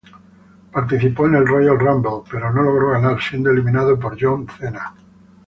Participó en el Royal Rumble, pero no logró ganar, siendo eliminado por John Cena.